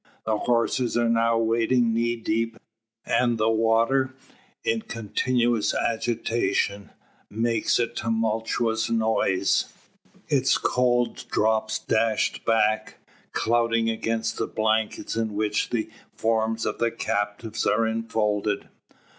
The horses are now wading knee deep, and the water, in continuous agitation, makes a tumultuous noise; its cold drops dashed back, clouting against the blankets in which the forms of the captives are enfolded.